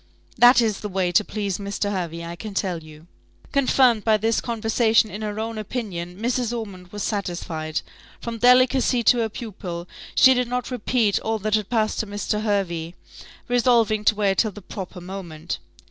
That is the way to please Mr. Hervey, I can tell you." Confirmed by this conversation in her own opinion, Mrs. Ormond was satisfied. From delicacy to her pupil, she did not repeat all that had passed to Mr. Hervey, resolving to wait till the proper moment.